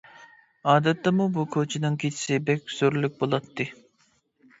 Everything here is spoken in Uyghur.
ئادەتتىمۇ بۇ كوچىنىڭ كېچىسى بەك سۈرلۈك بولاتتى.